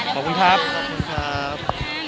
ขอบคุณครับขอบคุณครับ